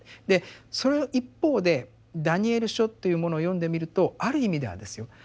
でそれの一方で「ダニエル書」というものを読んでみるとある意味ではですよ